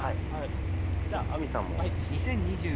じゃあ亜美さんも。